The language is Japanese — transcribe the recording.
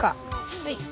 はい。